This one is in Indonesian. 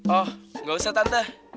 oh gak usah tante